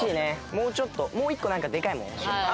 もうちょっともう１個なんかでかいもん欲しい。